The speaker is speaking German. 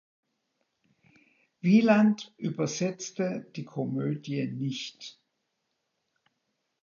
Wieland übersetzte die Komödie nicht.